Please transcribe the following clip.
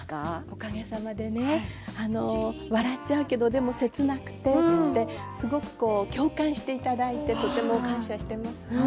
おかげさまでね笑っちゃうけど、でも切なくてすごく共感していただいてとても感謝しています。